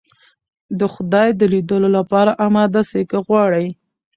د خدای د ليدلو لپاره اماده سئ که غواړئ.